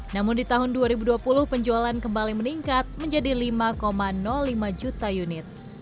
namun di tahun dua ribu dua puluh penjualan kembali meningkat menjadi lima lima juta unit